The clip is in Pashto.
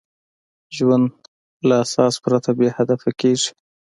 ژوند له اساس پرته بېهدفه کېږي.